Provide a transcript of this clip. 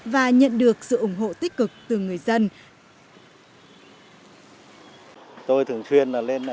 và nhận được nhiều thông tin